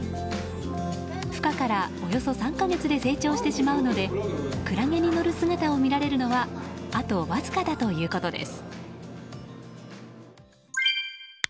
孵化からおよそ３か月で成長してしまうのでクラゲに乗る姿を見られるのはあとわずかだということです。